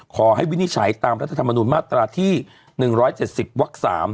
วินิจฉัยตามรัฐธรรมนุนมาตราที่๑๗๐วัก๓